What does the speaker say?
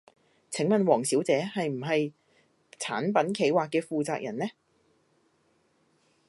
請問王小姐係唔係產品企劃嘅負責人呢？